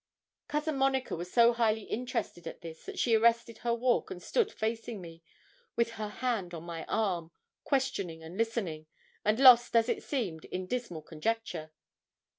Cousin Monica was so highly interested at this that she arrested her walk and stood facing me, with her hand on my arm, questioning and listening, and lost, as it seemed, in dismal conjecture.